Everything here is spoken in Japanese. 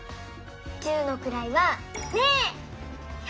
十のくらいは「０」。